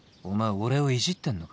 俺をいじってんのか？